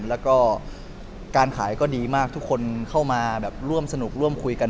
แล้วก็การขายก็ดีมากทุกคนเข้ามาแบบร่วมสนุกร่วมคุยกัน